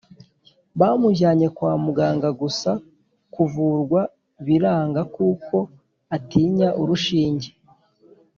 Bamujyanye kwamuganga gusa kuvurwa biranga kuko ngo atinya urushinge